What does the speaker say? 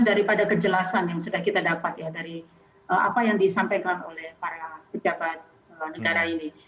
daripada kejelasan yang sudah kita dapat ya dari apa yang disampaikan oleh para pejabat negara ini